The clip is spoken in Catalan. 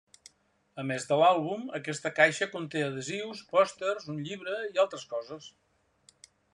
A més de l’àlbum, aquesta caixa conté adhesius, pòsters, un llibre i altres coses.